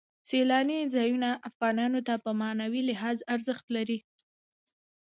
سیلاني ځایونه افغانانو ته په معنوي لحاظ ارزښت لري.